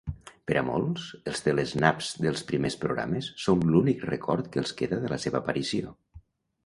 Per a molts, els tele-snaps dels primers programes són l'únic record que els queda de la seva aparició.